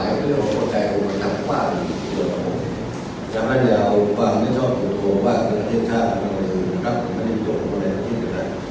อย่างนั้นอย่าเอาความนึกชอบของผมว่าเทศชาติมันไม่อยู่มันไม่มีโจทย์ของคนใดที่สุดแล้ว